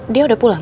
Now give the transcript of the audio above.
dia udah pulang